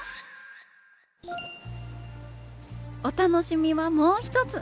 お楽しみはもう一つ。